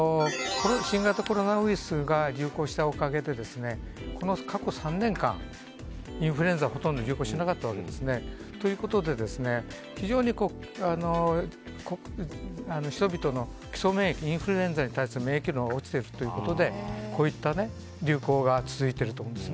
新型コロナウイルスが流行したおかげでこの過去３年間インフルエンザがほとんど流行しなかったわけですね。ということで非常に人々の基礎免疫インフルエンザに対する免疫機能が落ちているということでこういった流行が続いていると思います。